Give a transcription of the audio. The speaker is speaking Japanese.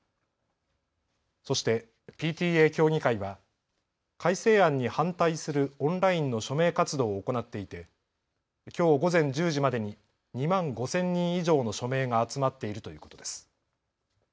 そしてＰＴＡ協議会は改正案に反対するオンラインの署名活動を行っていてきょう午前１０時までに２万５０００人以上の署名が集まっているということです。